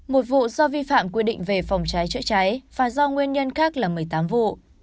một vụ do vi phạm quy định về phòng cháy chữa cháy và do nguyên nhân khác là một mươi tám vụ